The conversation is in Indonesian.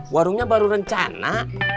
warungnya baru rencana